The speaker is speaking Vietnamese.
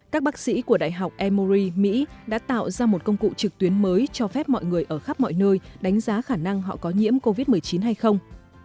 các bác sĩ của đại học emory mỹ đã tạo ra một công cụ trực tuyến mới cho phép mọi người ở khắp mọi nơi đánh giá khả năng họ có nhiễm covid một mươi chín hay không